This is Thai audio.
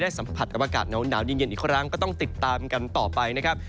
สัมผัสกับอากาศหนาวเย็นอีกครั้งก็ต้องติดตามกันต่อไปนะครับ